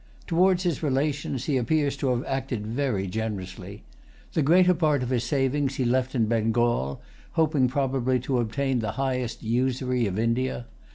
Towards his relations he appears to have acted very generously. The greater part of his savings he left in Bengal, hoping probably to obtain the high usury of India.